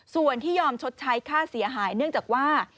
ส่วนที่ยอมชดใช้ค่าเสียหายเนื่องจากว่า